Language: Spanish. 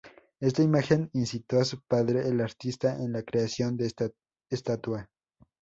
Esta imagen incitó a su padre, el artista, en la creación de esta estatua.